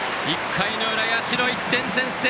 １回の裏、社が１点先制！